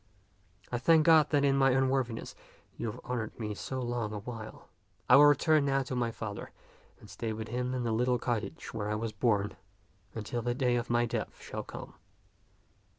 I thank God that in my un worthiness you have honored me so long a while. I will return now to my father and stay with him in the little cottage where I was born until the day of my death shall come.